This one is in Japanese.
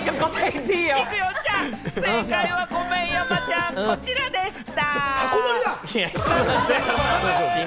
正解は、ごめん、山ちゃん、こちらでした！